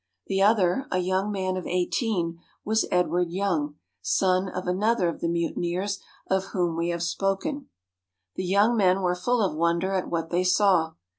The other, a young man of eighteen, was Edward Young, son of another of the mutineers of whom we have spoken. The young men were full of wonder at what they saw.